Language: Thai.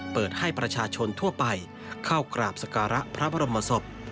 เปิดให้ประชาชนทั่วไปเข้ากราบสการะพระบรมศพ